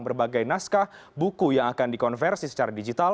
berbagai naskah buku yang akan dikonversi secara digital